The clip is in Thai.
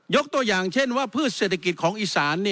ตัวอย่างเช่นว่าพืชเศรษฐกิจของอีสาน